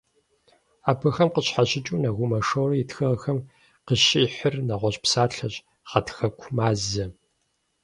Абыхэм къыщхьэщыкӀыу, Нэгумэ Шорэ и тхыгъэхэм къыщихьыр нэгъуэщӀ псалъэщ - гъатхэкумазэ.